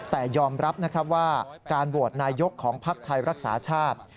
แต่ยอมรับว่าการโหวตนายยกของพรรคไทยรักษาชาติ